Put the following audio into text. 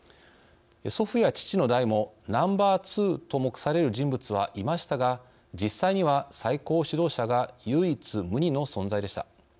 祖父や父の代もナンバーツーと目される人物はいましたが実際には最高指導者が唯一無二の存在でした。